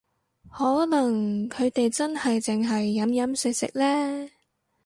可能佢哋真係淨係飲飲食食呢